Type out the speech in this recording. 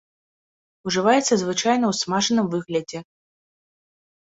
Ужываецца звычайна ў смажаным выглядзе.